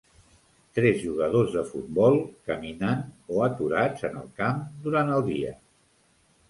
Tres jugadors de futbol caminant o aturats en el camp durant el dia.